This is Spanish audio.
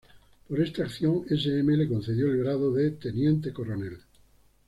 Por esta acción S. M. le concedió el grado de teniente coronel.